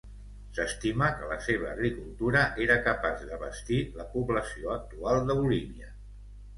S'estima que la seva agricultura era capaç d'abastir la població actual de Bolívia.